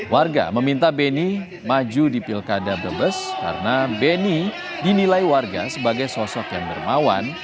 warga meminta beni maju di pilkada brebes karena beni dinilai warga sebagai sosok yang dermawan